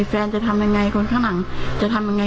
จะทำยังไงคนข้างหลังจะทำยังไง